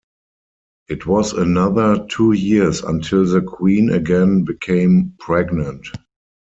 It was another two years until the Queen again became pregnant.